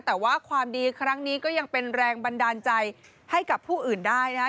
แต่ว่าความดีครั้งนี้ก็ยังเป็นแรงบันดาลใจให้กับผู้อื่นได้นะคะ